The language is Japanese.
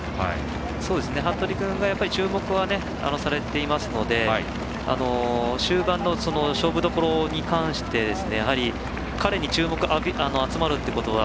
服部君が注目はされていますので終盤の勝負どころに関して彼に注目が集まるってことは